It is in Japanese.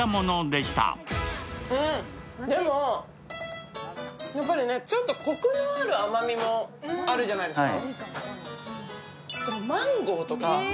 でも、やっぱりちょっとコクのある甘みもあるじゃないですか。